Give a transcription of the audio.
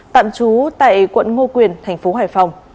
tạm trú tại quận ngô quyền thành phố hải phòng